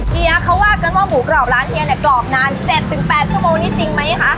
เฮียเขาว่ากันว่าหมูกรอบร้านเฮียเนี่ยกรอบนาน๗๘ชั่วโมงนี้จริงไหมคะ